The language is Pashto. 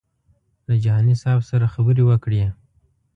له جهاني صاحب سره خبرې وکړې.